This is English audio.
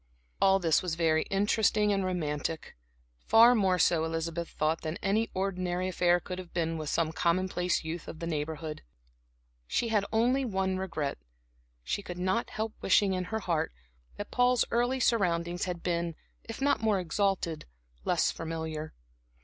All this was very interesting and romantic; far more so, Elizabeth thought, than any ordinary affair could have been, with some commonplace youth of the neighborhood. She had only one regret; she could not help wishing in her heart that Paul's early surroundings had been, if not more exalted, less familiar.